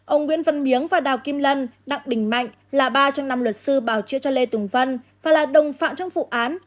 ông nguyễn văn miếng và đào kim lân đặng đình mạnh là ba trong năm luật sư bảo chữa cho lê tùng vân và là đồng phạm trong vụ án